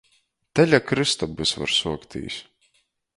Teļa krystobys var suoktīs.